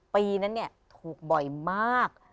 ปีนั้นเนี่ยถูกบ่อยมาก